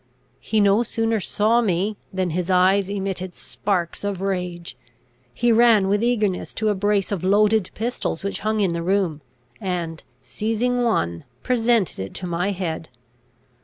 He no sooner saw me than his eyes emitted sparks of rage. He ran with eagerness to a brace of loaded pistols which hung in the room, and, seizing one, presented it to my head.